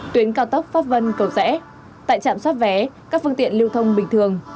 tuyến cao tốc pháp vân cầu dã tại trạm xót vé các phương tiện lưu thông bình thường